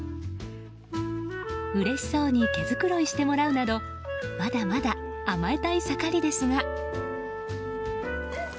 うれしそうに毛づくろいしてもらうなどまだまだ甘えたい盛りですが。